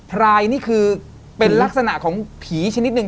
พรายนี่คือเป็นลักษณะของผีชนิดหนึ่ง